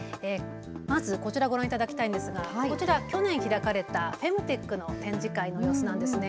まず、こちらご覧いただきたいんですがこちら去年開かれたフェムテックの展示会の様子なんですね。